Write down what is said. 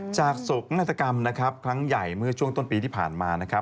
จากศพนักกรรมครั้งใหญ่มือช่วงต้นปีที่ผ่านมา